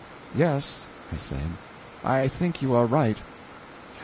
"Yes," I said, "I think you are right."